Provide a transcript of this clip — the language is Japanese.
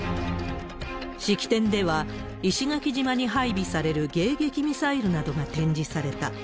式典では、石垣島に配備される迎撃ミサイルなどが展示された。